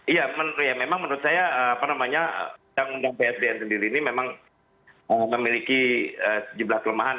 iya memang menurut saya apa namanya yang undang psbn sendiri ini memang memiliki sejumlah kelemahan